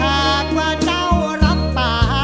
หากว่าเจ้ารับป่า